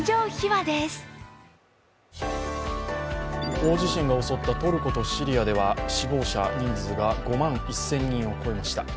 大地震が襲ったトルコとシリアでは死亡者人数が５万１０００人を超えました。